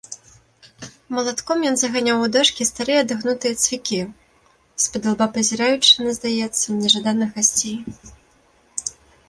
Малатком ён заганяў у дошкі старыя адагнутыя цвікі, спадылба пазіраючы на, здаецца, нежаданых гасцей.